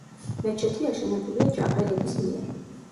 მეჩეთი აშენებულია ჯაყელების მიერ.